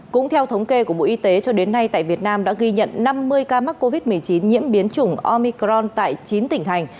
cũng theo thống kê của bộ y tế cho đến nay tại việt nam đã ghi nhận năm mươi ca mắc covid một mươi chín nhiễm biến chủng omicron tại chín tỉnh thành